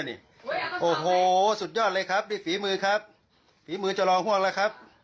โอ้โหสุดยอดเลยครับนี่ฝีมือครับฝีมือจะรอห่วงแล้วครับ